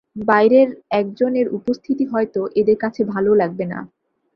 বাইরের একজনের উপস্থিতি হয়তো এদের কাছে ভালো লাগবে না।